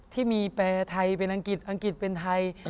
ที่มีแปรไทยเป็นอังกฤษอังกฤษเป็นไทย